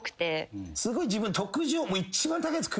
すごい自分特上。